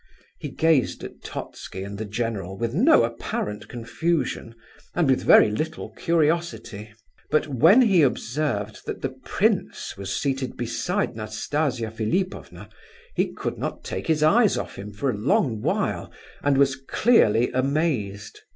He gazed at Totski and the general with no apparent confusion, and with very little curiosity. But when he observed that the prince was seated beside Nastasia Philipovna, he could not take his eyes off him for a long while, and was clearly amazed.